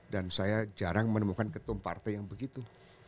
dan saya jarang menemukan ketum partai yang begitu